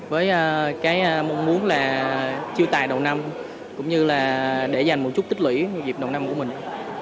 với cái mong muốn là chiêu tài đầu năm cũng như là để dành một chút tích lũy vào dịp đầu năm của mình